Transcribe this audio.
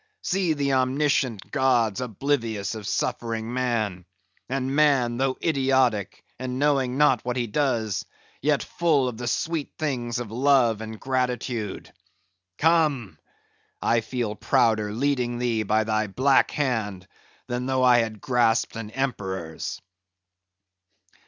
see the omniscient gods oblivious of suffering man; and man, though idiotic, and knowing not what he does, yet full of the sweet things of love and gratitude. Come! I feel prouder leading thee by thy black hand, than though I grasped an Emperor's!"